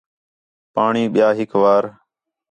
پاݨی پِیاں ہِک وار